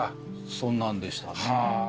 そんなんでしたね。